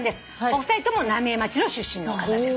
お二人とも浪江町の出身の方です。